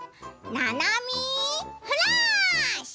「ななみフラッシュ」。